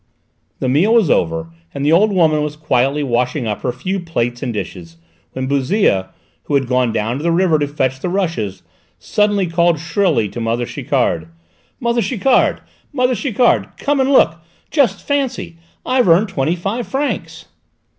The meal was over, and the old woman was quietly washing up her few plates and dishes, when Bouzille, who had gone down to the river to fetch the rushes, suddenly called shrilly to mother Chiquard. "Mother Chiquard! Mother Chiquard! Come and look! Just fancy, I've earned twenty five francs!"